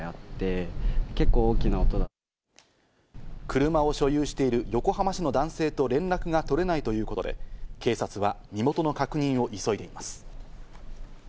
車を所有している横浜市の男性と連絡が取れないということで、警察は身元の確認を急いでいます。